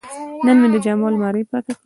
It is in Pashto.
نن مې د جامو الماري پاکه کړه.